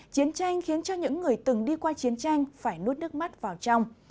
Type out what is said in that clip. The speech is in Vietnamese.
chiến tranh khiến cho những người từng đi qua chiến tranh phải nuốt nước mắt vào trong